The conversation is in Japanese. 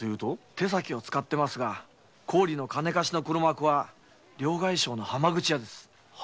手先を使ってますが高利の金貸しの黒幕は両替商の浜口屋です。